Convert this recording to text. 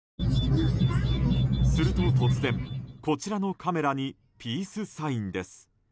すると突然、こちらのカメラにピースサインです。